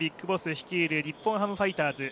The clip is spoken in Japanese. ＢＩＧＢＯＳＳ率いる日本ハムファイターズ。